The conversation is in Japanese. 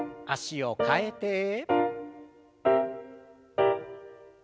脚を替えて。